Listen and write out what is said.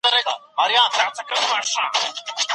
ولې افغان سوداګر کیمیاوي سره له پاکستان څخه واردوي؟